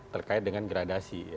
terkait dengan gradasi